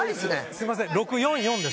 すみません６４４です。